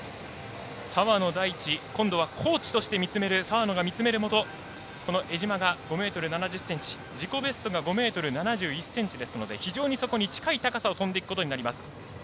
澤野大地、コーチとして見つめる、澤野が見つめるもと江島が５ｍ７０ｃｍ自己ベストは５ｍ７１ｃｍですので非常にそこに近い高さを跳んでいくことになります。